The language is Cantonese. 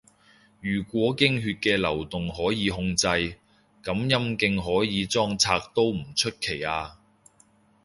如果經血嘅流動可以控制，噉陰莖可以裝拆都唔出奇吖